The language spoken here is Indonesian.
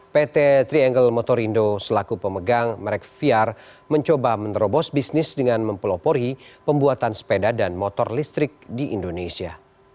pt triangle motor indo selaku pemegang merek vr mencoba menerobos bisnis dengan mempelopori pembuatan sepeda dan motor listrik di indonesia